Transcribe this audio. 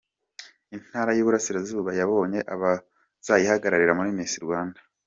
Intara y’u Burasirazuba yabonye abazayihagararira muri Misi Rwanda